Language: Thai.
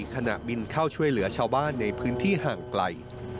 ขณะบินเข้าช่วยเหลือชาวบ้านในพื้นที่ห่างไกล